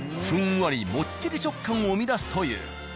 ふんわりもっちり食感を生み出すという。